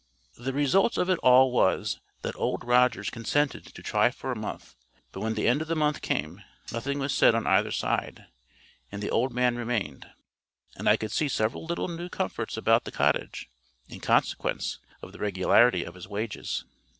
The result of it all was, that Old Rogers consented to try for a month; but when the end of the month came, nothing was said on either side, and the old man remained. And I could see several little new comforts about the cottage, in consequence of the regularity of his wages.